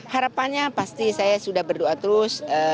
harapannya pasti saya sudah berdoa terus